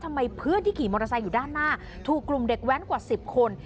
เพื่อนที่ขี่มอเตอร์ไซค์อยู่ด้านหน้าถูกกลุ่มเด็กแว้นกว่า๑๐คน